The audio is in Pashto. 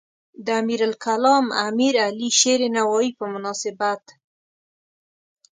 د امیرالکلام امیرعلی شیرنوایی په مناسبت.